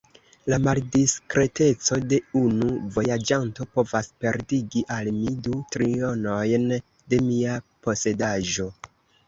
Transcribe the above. La maldiskreteco de unu vojaĝanto povas perdigi al mi du trionojn de mia posedaĵo.